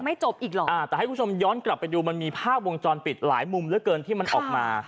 จบอีกหรออ่าแต่ให้คุณผู้ชมย้อนกลับไปดูมันมีภาพวงจรปิดหลายมุมเหลือเกินที่มันออกมา